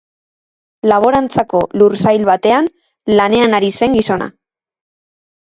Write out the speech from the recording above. Laborantzako lursail batean lanean ari zen gizona.